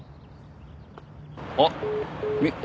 あっ。